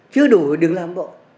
chứ đủ thì đừng làm bộ